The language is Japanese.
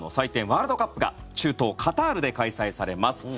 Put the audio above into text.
ワールドカップが中東カタールで開催されます。